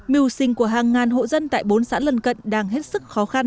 mưu sinh của hàng ngàn hộ dân tại bốn xã lân cận đang hết sức khó khăn